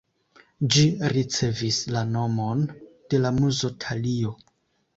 Ĝi ricevis la nomon de la muzo Talio.